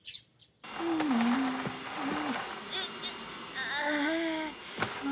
ああ。